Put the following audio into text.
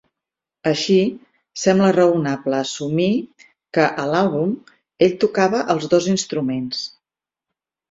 Així, sembla raonable assumir que, a l'àlbum, ell tocava els dos instruments.